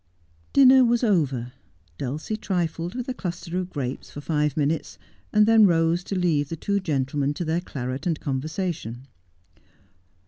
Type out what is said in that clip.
Dinner was over. Dulcie trifled with a cluster of grapes for five minutes, and then rose to leave the two gentlemen to their claret and conversation.